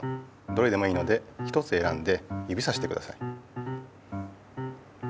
どれでもいいので一つえらんでゆびさしてください。